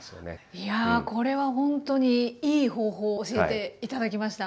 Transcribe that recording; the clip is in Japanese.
いやこれはほんとにいい方法を教えて頂きました。